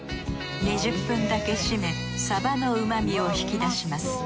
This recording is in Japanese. ２０分だけしめ鯖のうまみを引き出します。